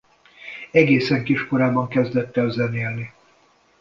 Egészen kiskorában kezdett el zenélni.